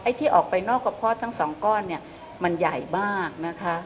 ที่ออกไปนอกกระเพาะทั้งสองก้อนเนี่ยมันใหญ่มากนะคะ